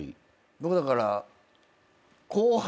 僕だから。